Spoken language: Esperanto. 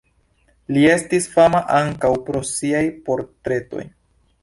Li estis fama ankaŭ pro siaj portretoj.